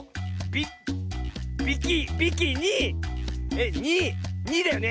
えっ「ニ」「ニ」だよね。